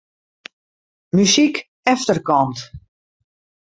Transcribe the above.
Muzyk efterkant.